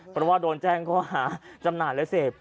เพราะว่าโดนแจ้งข้อหาจำหน่ายและเสพ